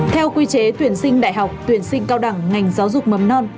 theo quy chế tuyển sinh đại học tuyển sinh cao đẳng ngành giáo dục mầm non